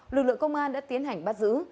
lực lượng công an đã tiến hành bắt giữ